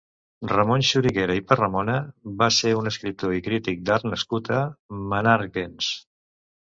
Ramon Xuriguera i Parramona va ser un escriptor i crític d'art nascut a Menàrguens.